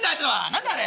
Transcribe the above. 何だあれ！